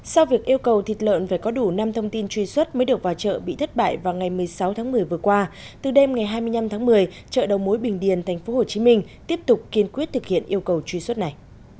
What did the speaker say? sau việc yêu cầu thịt lợn phải có đủ năm thông tin truy xuất mới được vào chợ bị thất bại vào ngày một mươi sáu tháng một mươi vừa qua từ đêm ngày hai mươi năm tháng một mươi chợ đầu mối bình điền tp hcm tiếp tục kiên quyết thực hiện yêu cầu truy xuất này